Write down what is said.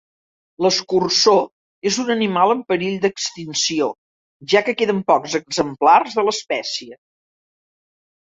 L'escurçó és un animal en perill d'extinció, ja que queden pocs exemplars de l'espècie.